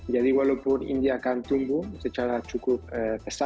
jadi walaupun india juga sudah mencapai angka kelahiran itu sudah dekat dengan tua